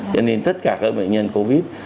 cho nên tất cả các bệnh nhân covid